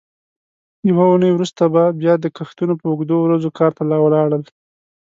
یوه اوونۍ وروسته به بیا د کښتونو په اوږدو ورځو کار ته ولاړل.